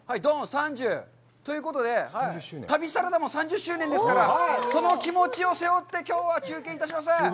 ３０。ということで、旅サラダも３０周年ですから、その気持ちを背負ってきょうは中継いたします！